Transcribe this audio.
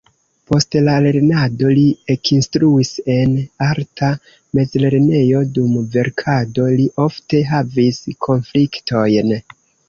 Post la lernado li ekinstruis en arta mezlernejo, dum verkado li ofte havis konfliktojn.